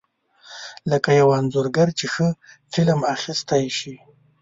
لکه یو انځورګر چې ښه فلم اخیستی شي.